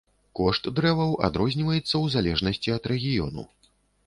Кошт дрэваў адрозніваецца ў залежнасці ад рэгіёну.